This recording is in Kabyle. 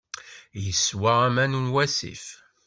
Yeswa aman n wasif.